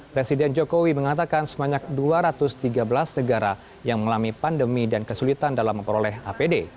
presiden jokowi mengatakan sebanyak dua ratus tiga belas negara yang mengalami pandemi dan kesulitan dalam memperoleh apd